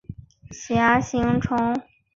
独行侠。